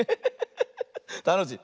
たのしい。